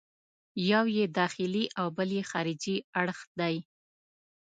یو یې داخلي او بل یې خارجي اړخ دی.